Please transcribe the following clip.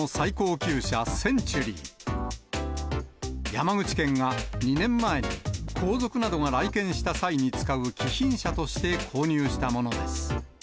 山口県が２年前に、皇族などが来県した際に使う貴賓車として購入したものです。